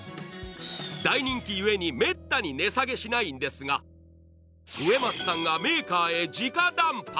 大人気ゆえに、めったに値下げしないんですが、植松さんがメーカーへじか談判。